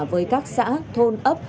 với các xã thôn ấp